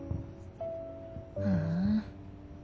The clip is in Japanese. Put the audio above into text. ふん。